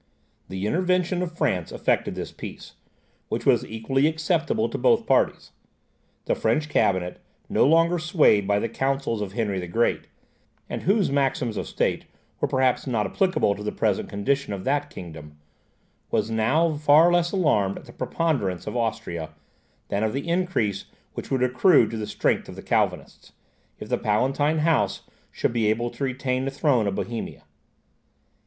The intervention of France effected this peace, which was equally acceptable to both parties. The French cabinet, no longer swayed by the counsels of Henry the Great, and whose maxims of state were perhaps not applicable to the present condition of that kingdom, was now far less alarmed at the preponderance of Austria, than of the increase which would accrue to the strength of the Calvinists, if the Palatine house should be able to retain the throne of Bohemia.